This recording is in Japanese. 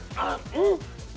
うん？